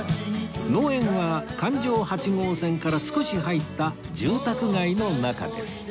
農園は環状八号線から少し入った住宅街の中です